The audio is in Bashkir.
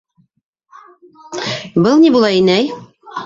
Был ни була, инәй?